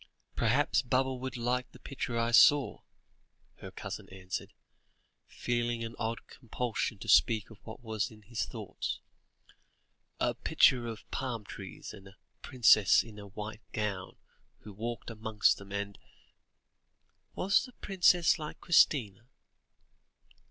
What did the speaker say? "Perhaps Baba would like the picture I saw," her cousin answered, feeling an odd compulsion to speak of what was in his thoughts: "a picture of palm trees, and a princess in a white gown, who walked amongst them, and " "Was the princess like Christina?"